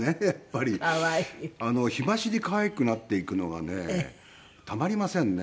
日増しに可愛くなっていくのがねたまりませんね。